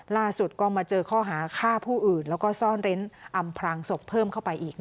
ล่าสุดก็มาเจอข้อหาฆ่าผู้อื่นแล้วก็ซ่อนเร้นอำพลางศพเพิ่มเข้าไปอีก